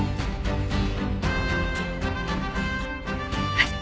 はい。